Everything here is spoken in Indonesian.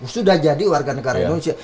sudah jadi warga negara indonesia